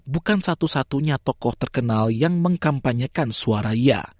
bukan satu satunya tokoh terkenal yang mengkampanyekan suara ia